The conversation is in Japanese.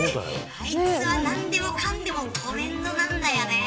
あいつは何でもかんでもトレンドなんだよね。